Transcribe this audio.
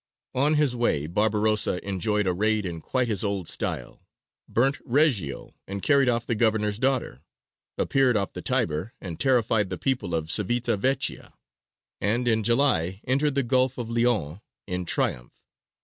On his way Barbarossa enjoyed a raid in quite his old style; burnt Reggio and carried off the governor's daughter; appeared off the Tiber, and terrified the people of Cività Vecchia; and in July entered the Gulf of Lyons in triumph.